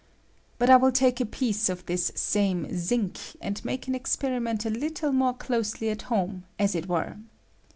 But I will take a piece of this same zinc, and make an experiment a httle more closely at home, as it were.